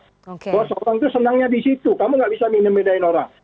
bahwa seorang itu senangnya di situ kamu nggak bisa memindah mindahin orang